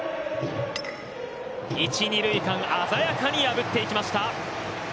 一・二塁間、鮮やかに破っていきました。